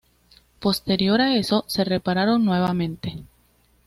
Posterior a eso se separaron nuevamente.